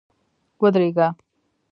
ودرېږه !